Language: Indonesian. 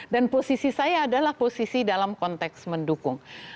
dan posisi saya adalah posisi dalam konteks mendukung